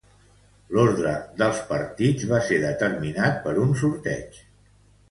L'ordre dels partits va ser determinat per un sorteig.